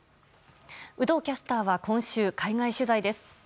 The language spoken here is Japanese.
有働キャスターは今週海外取材です。